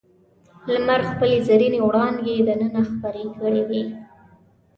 لمر خپلې زرینې وړانګې دننه خپرې کړې وې.